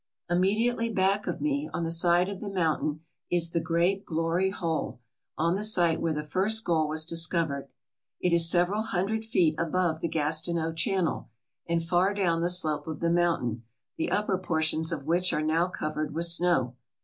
Immediately back of me on the side of the mountain is the great Glory Hole, on the site where the first gold was discovered. It is several hundred feet above the Gastineau Channel, and far down the slope of the mountain, the upper portions of which are now covered with snow.